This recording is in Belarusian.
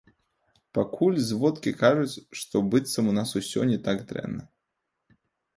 Пакуль зводкі кажуць, што быццам у нас усё не так дрэнна.